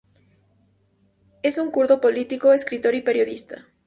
Es un kurdo político, escritor y periodista.